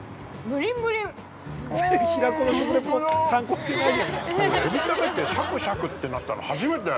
俺エビ食べて、シャクシャクってなったの初めて。